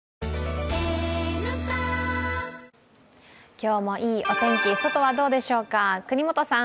今日もいいお天気、外はどうでしょうか、國本さん